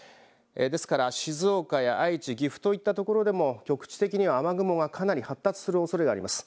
ですから静岡や愛知、岐阜といったところででも局地的には雨雲がかなり発達するおそれがあります。